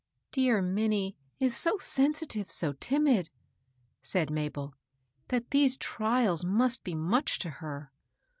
" Dear Minnie is so sensitive, so timid," said Mabel, " that these trials must be much to her.